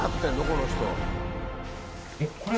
この人。